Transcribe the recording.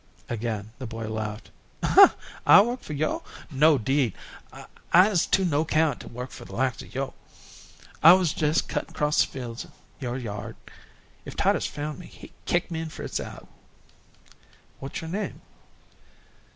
Again the boy laughed. "I work for yo'? No, 'deed; I'se too no 'count to work for the likes of yo'. I wuz jes' cuttin' 'cross fields through yo'r yard. If Titus found me here, he'd kick me an' Fritz out." "What is your name?"